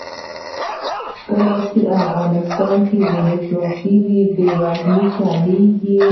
کله چې افغانستان کې ولسواکي وي بې وزلي کمیږي.